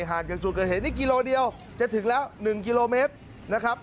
ห่างจังจุดก็เห็นนี่กิโลเดียวจะถึงแล้วหนึ่งกิโลเมตรนะครับ